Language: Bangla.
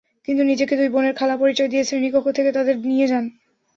তিনি নিজেকে দুই বোনের খালা পরিচয় দিয়ে শ্রেণিকক্ষ থেকে তাদের নিয়ে যান।